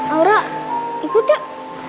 aura ikut dah